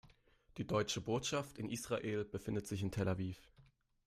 Die Deutsche Botschaft in Israel befindet sich in Tel Aviv.